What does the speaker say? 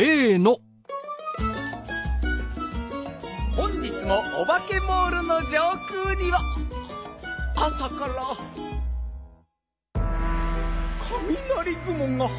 本日もオバケモールの上空にはあさからかみなりぐもがはっせい中。